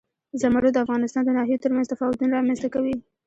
زمرد د افغانستان د ناحیو ترمنځ تفاوتونه رامنځ ته کوي.